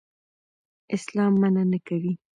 اسلام منع نه کوي.